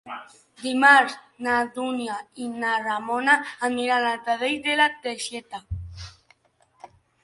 Dimarts na Dúnia i na Ramona aniran a Pradell de la Teixeta.